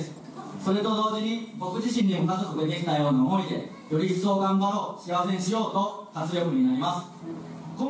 それと同時に、僕自身にも家族ができたような思いでより一層、頑張ろう幸せにしようと活力になります。